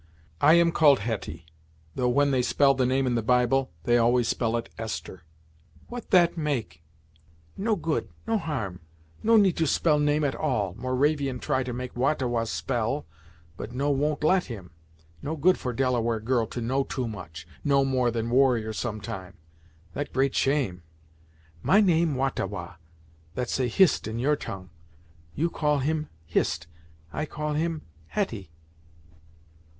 "I am called Hetty, though when they spell the name in the bible, they always spell it Esther." "What that make? no good, no harm. No need to spell name at all Moravian try to make Wah ta Wah spell, but no won't let him. No good for Delaware girl to know too much know more than warrior some time; that great shame. My name Wah ta Wah that say Hist in your tongue; you call him, Hist I call him, Hetty."